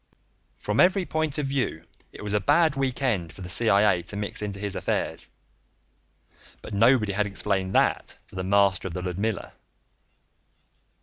From every point of view it was a bad week end for the CIA to mix into his affairs, but nobody had explained that to the master of the Ludmilla.